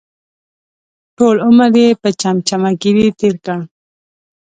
ټول عمر یې په چمچهګیري تېر کړ.